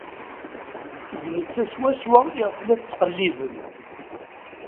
D netta swaswa iɣef la tettqellibem.